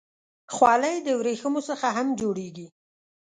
خولۍ د ورېښمو څخه هم جوړېږي.